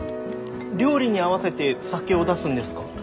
料理に合わせて酒を出すんですか？